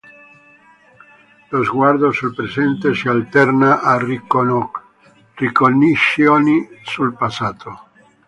Lo sguardo sul presente si alterna a ricognizioni sul passato.